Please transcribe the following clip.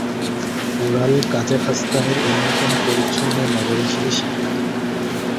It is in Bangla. ওরাল কাজাখস্তানের অন্যতম পরিচ্ছন্ন নগর হিসেবে স্বীকৃত।